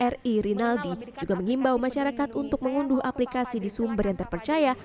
ri rinaldi juga mengimbau masyarakat untuk mengunduh aplikasi di sumber yang terpercaya